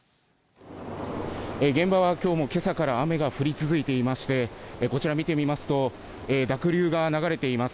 現場はきょうもけさから雨が降り続いていまして、こちら見てみますと、濁流が流れています。